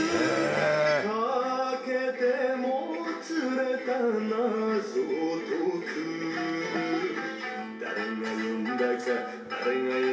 すごいな。